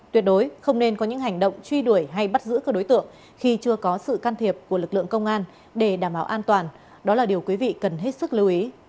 tuyệt đối không nên có những hành động truy đuổi hay bắt giữ cơ đối tượng khi chưa có sự can thiệp của lực lượng công an để đảm bảo an toàn đó là điều quý vị cần hết sức lưu ý